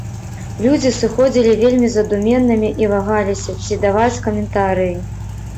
Людзі сыходзілі вельмі задуменнымі і вагаліся, ці даваць каментарыі.